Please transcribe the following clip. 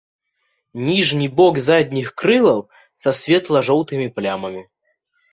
Ніжні бок задніх крылаў са светла-жоўтымі плямамі.